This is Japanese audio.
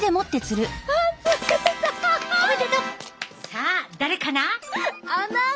さあ誰かな？